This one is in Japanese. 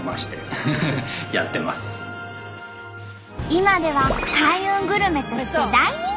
今では開運グルメとして大人気に。